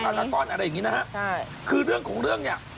อะไรอย่างนี้นะฮะคือเรื่องของเรื่องเนี่ย